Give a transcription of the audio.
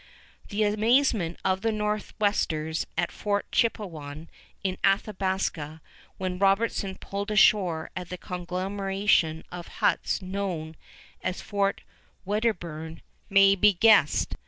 The amazement of the Nor'westers at Fort Chippewyan in Athabasca when Robertson pulled ashore at the conglomeration of huts known as Fort Wedderburn, may be guessed.